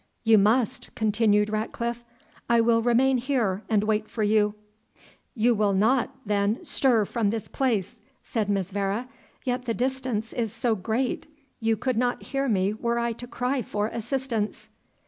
"You must," continued Ratcliffe; "I will remain here and wait for you." "You will not, then, stir from this place," said Miss Vere "yet the distance is so great, you could not hear me were I to cry for assistance."